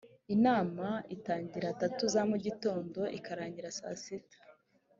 inama itangira tatu za mu gitondo ikarangira saa sita